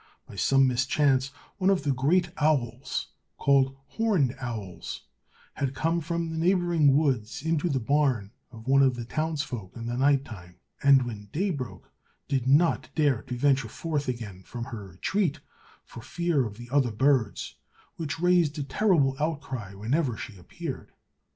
By some mischance one of the great owls, called horned owls, had come from the neighboring woods into the barn of one of the townsfolk in the night time, and when day broke did not dare to venture forth again from her retreat, for fear of the other birds, which raised a terrible outcry whenever she appeared.